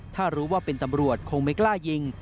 ถ้ารู้ว่าเป็นตำรวจคงไม่กล้ายิง